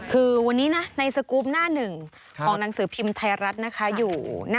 คือวันนี้นะในสกรูปหน้าหนึ่งของหนังสือพิมพ์ไทยรัฐนะคะอยู่